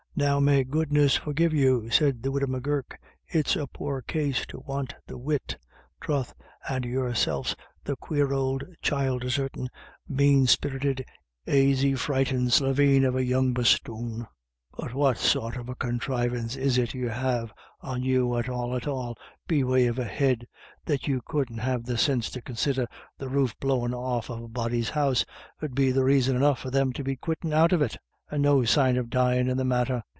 "Now may goodness forgive you," said the widow M'Gurk, " it's a poor case to want the wit. Troth, and yourself s the quare ould child desertin', mane spirited, aisy frighted slieveen of a young bosthoon; but what sort of a conthrivance is it you have on you at all at all be way of a head that you couldn't have the sinse to consider the roof blowin' off of a body's house 'ud be raison enough for them to be quittin' out of it, and no sign of dyin' in the matter?